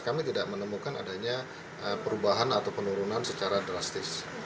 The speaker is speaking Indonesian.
kami tidak menemukan adanya perubahan atau penurunan secara drastis